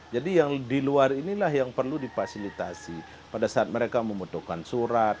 jadi yang di luar inilah yang perlu dipasilitasi pada saat mereka membutuhkan surat